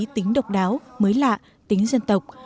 tính độc đáo mới lạ tính dân tộc